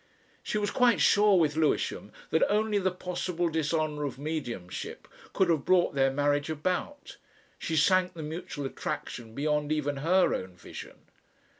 She was quite sure with Lewisham that only the possible dishonour of mediumship could have brought their marriage about she sank the mutual attraction beyond even her own vision.